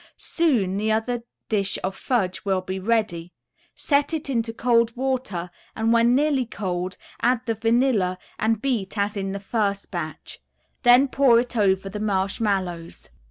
Soon the other dish of fudge will be ready; set it into cold water and when nearly cold, add the vanilla and beat as in the first batch, then pour it over the marshmallows.